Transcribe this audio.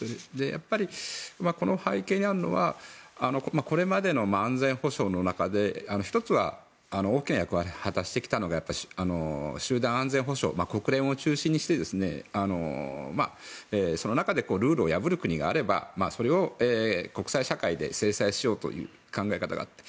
やっぱり、この背景にあるのはこれまでの安全保障の中で１つは大きな役割を果たしてきたのが集団安全保障、国連を中心にしてその中でルールを破る国があればそれを国際社会で制裁しようという考え方があって。